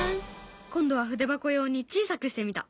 今度は筆箱用に小さくしてみた！